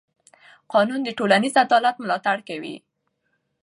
قانون د ټولنیز عدالت ملاتړ کوي.